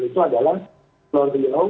itu adalah floor below